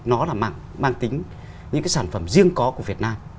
nó là mang tính những cái sản phẩm riêng có của việt nam